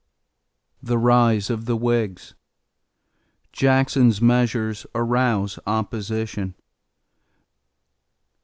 THE RISE OF THE WHIGS =Jackson's Measures Arouse Opposition.